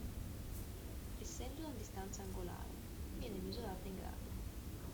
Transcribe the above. Essendo una distanza angolare, viene misurata in gradi.